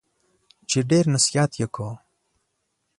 چي ډېر نصیحت یې کاوه !